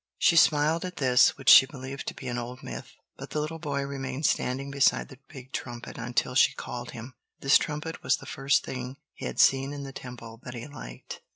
She smiled at this, which she believed to be an old myth; but the little boy remained standing beside the big trumpet until she called him. This trumpet was the first thing he had seen in the Temple that he liked.